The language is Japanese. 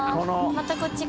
またこっちか。